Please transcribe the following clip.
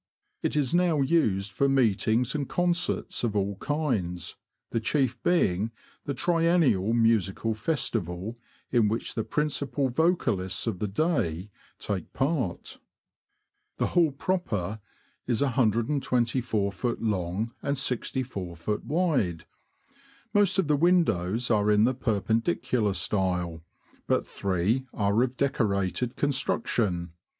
It is now used for meetings and concerts of all kinds, the chief being the Triennial Musical Festival in which the principal vocalists of the day take part. The hall proper is 124ft. long, and 64ft. wide. Most of the windows are in the Perpendicular style, but three are of Decorated construction.